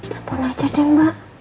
telepon aja deh mbak